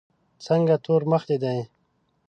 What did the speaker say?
څنګه تور مخ دي دی.